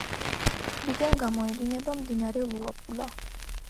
ტბიდან გამოედინება მდინარე ლუაპულა.